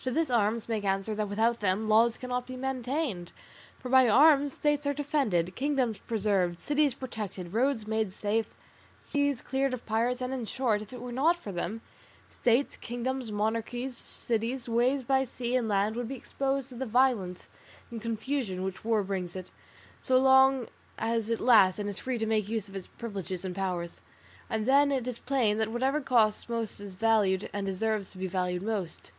To this arms make answer that without them laws cannot be maintained, for by arms states are defended, kingdoms preserved, cities protected, roads made safe, seas cleared of pirates; and, in short, if it were not for them, states, kingdoms, monarchies, cities, ways by sea and land would be exposed to the violence and confusion which war brings with it, so long as it lasts and is free to make use of its privileges and powers. And then it is plain that whatever costs most is valued and deserves to be valued most.